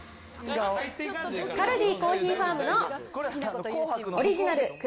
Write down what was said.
カルディコーヒーファームのオリジナル黒